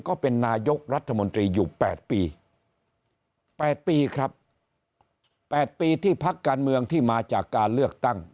ก็เป็นนายกรัฐมนตรีอยู่๘ปี๘ปีครับ๘ปีที่พักการเมืองที่มาจากการเลือกตั้ง